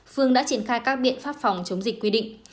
phương đã triển khai các biện pháp phòng chống dịch quy định